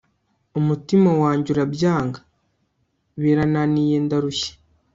umutima wanjye urabyanga, birananiye ndarushye